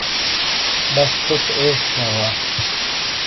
بس ژو سے عیش تھیا وا ۔